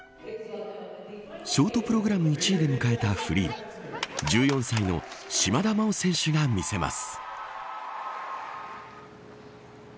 ショートプログラム１位で迎えたフリー１４歳の島田麻央選手が見せます。